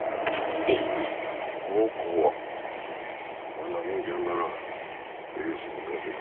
こんな元気あんならレースに生かせよ。